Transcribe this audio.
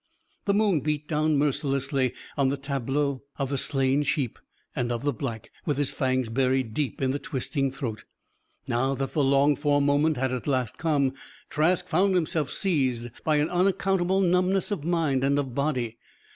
The moon beat down mercilessly on the tableau of the slain sheep, and of the Black, with his fangs buried deep in the twisting throat. Now that the longed for moment had at last come, Trask found himself seized by an unaccountable numbness of mind and of body.